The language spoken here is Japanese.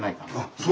そう。